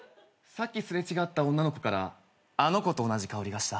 さっき擦れ違った女の子からあの子と同じ香りがした。